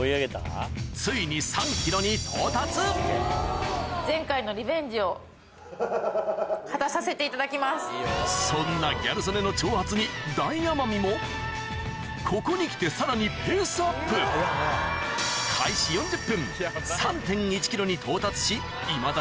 ついに３ｋｇに到達そんなギャル曽根の挑発に大奄美もここに来てさらにペースアップに到達しいまだ